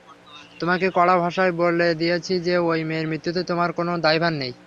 তোমাকে কড়া ভাষায় বলে দিয়েছি যে ওই মেয়ের মৃত্যুতে তোমার কোনো দায়ভার নেই।